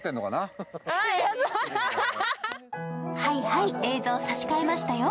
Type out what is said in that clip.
はいはい、映像差し替えましたよ